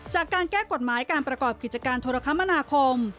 จากการแก้กฎหมายการประกอบกิจการโทรคมนาคม